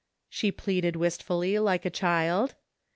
" She pleaded wistfully like a child.